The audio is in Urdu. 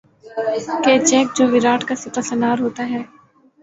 کیچک جو ویراٹ کا سپاہ سالار ہوتا ہے